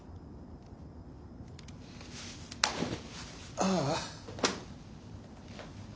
ああ。